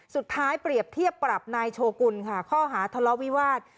เปรียบเทียบปรับนายโชกุลค่ะข้อหาทะเลาะวิวาส